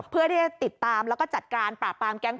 เพื่อที่จะติดตามแล้วก็จัดการปราบปรามแก๊ง